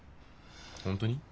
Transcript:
本当に？